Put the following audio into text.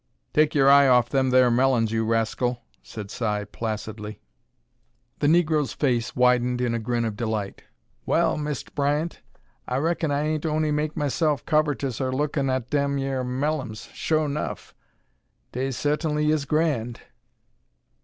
"Take your eye off them there mellons, you rascal," said Si, placidly. The negro's face widened in a grin of delight. "Well, Mist' Bryant, I raikon I ain't on'y make m'se'f covertous er lookin' at dem yere mellums, sure 'nough. Dey suhtainly is grand."